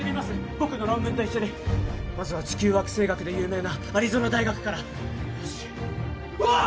僕の論文と一緒にまずは地球惑星学で有名なアリゾナ大学からよしうわっ！